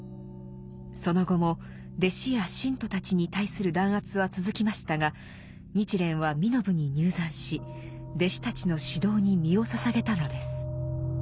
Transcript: その後も弟子や信徒たちに対する弾圧は続きましたが日蓮は身延に入山し弟子たちの指導に身を捧げたのです。